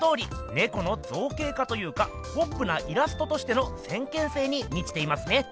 ネコの造形化というかポップなイラストとしての先見性にみちていますね。